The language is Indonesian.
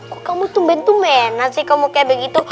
kok kamu tumben tumbenan sih kamu kayak begitu